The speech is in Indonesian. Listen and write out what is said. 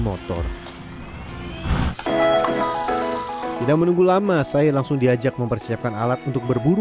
motor tidak menunggu lama saya langsung diajak mempersiapkan alat untuk berburu